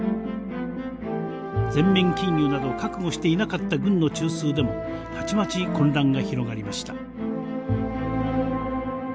全面禁輸など覚悟していなかった軍の中枢でもたちまち混乱が広がりました。